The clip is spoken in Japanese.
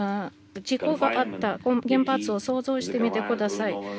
事故があった原発を想像してみてください。